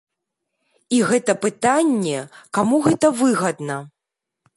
І гэта пытанне, каму гэта выгадна.